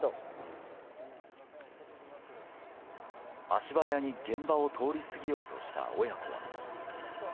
足早に現場を通り過ぎようとした親子は。